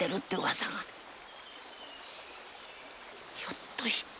ひょっとして？